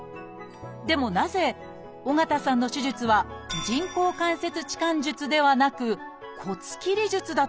でもなぜ緒方さんの手術は人工関節置換術ではなく骨切り術だったの？